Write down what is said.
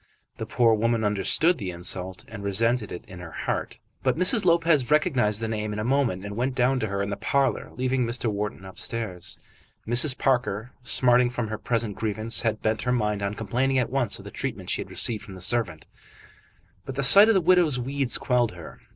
The poor woman understood the insult and resented it in her heart. But Mrs. Lopez recognised the name in a moment, and went down to her in the parlour, leaving Mr. Wharton upstairs. Mrs. Parker, smarting from her present grievance, had bent her mind on complaining at once of the treatment she had received from the servant, but the sight of the widow's weeds quelled her.